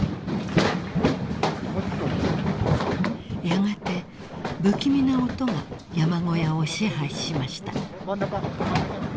・［やがて不気味な音が山小屋を支配しました］